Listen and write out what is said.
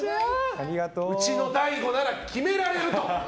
うちの大悟なら決められるぞと。